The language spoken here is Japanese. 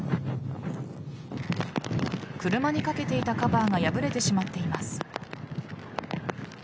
車に掛けていたカバーが破れてしまっています。